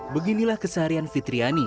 beginilah keseharian fitriani